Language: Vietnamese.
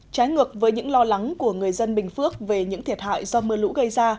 trái ngược với những lo lắng của người dân bình phước về những thiệt hại do mưa lũ gây ra